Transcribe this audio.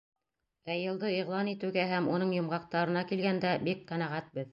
Ә йылды иғлан итеүгә һәм уның йомғаҡтарына килгәндә, бик ҡәнәғәтбеҙ.